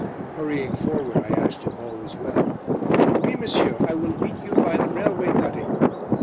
Hurrying forward, I asked if all was well. "Oui, monsieur. I will meet you by the railway cutting."